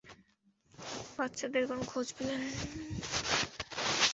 বাচ্চাদের কোনো খোঁজ পেলেন?